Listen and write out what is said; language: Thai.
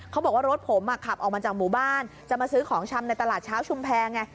เขาบอกว่ารถผมขับออกมาจากหมู่บ้านจะมาซื้อของชำในตลาดเช้าชุมแพรไง